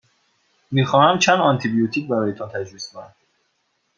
می خواهمم چند آنتی بیوتیک برایتان تجویز کنم.